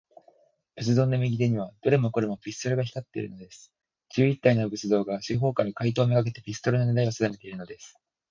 仏像の右手には、どれもこれも、ピストルが光っているのです。十一体の仏像が、四ほうから、怪盗めがけて、ピストルのねらいをさだめているのです。